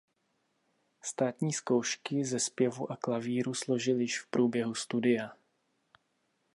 Státní zkoušky ze zpěvu a klavíru složil již v průběhu studia.